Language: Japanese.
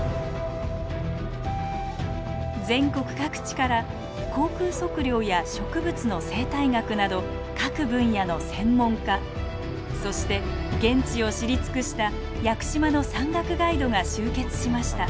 全国各地から航空測量や植物の生態学など各分野の専門家そして現地を知り尽くした屋久島の山岳ガイドが集結しました。